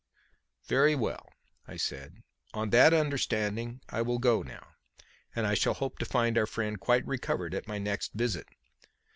"Very well," I said. "On that understanding I will go now; and I shall hope to find our friend quite recovered at my next visit."